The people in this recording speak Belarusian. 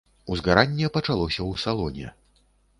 Узгаранне пачалося ў салоне.